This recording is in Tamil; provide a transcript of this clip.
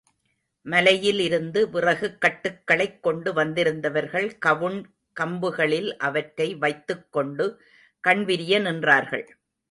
மலையில் இருந்து விறகுக் கட்டுக்களைக் கொண்டு வந்திருந்தவர்கள் கவுண் கம்புகளில் அவற்றை வைத்துக் கொண்டு கண்விரிய நின்றார்கள்.